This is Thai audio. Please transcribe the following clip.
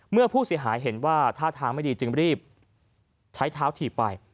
เมื่อผู้เสียหายเห็นว่าท่าทางไม่ดีจึงรีบใช้เท้าถีบไป